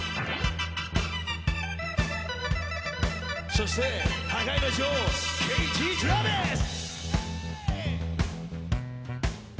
そして破壊の女王ケイティ・トラビス！